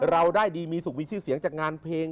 เราได้ดีมีสุขมีชื่อเสียงจากงานเพลง